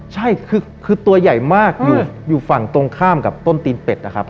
ใช่คือตัวใหญ่มากอยู่ฝั่งตรงข้ามกับต้นตีนเป็ดนะครับ